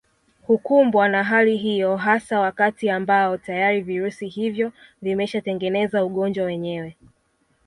Hukumbwa na hali hiyo hasa wakati ambao tayari virusi hivyo vimeshatengeneza ugonjwa wenyewe